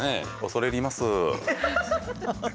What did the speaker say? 恐れ入ります。